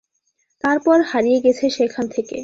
তারপর হারিয়ে গেছে সেখান থেকে!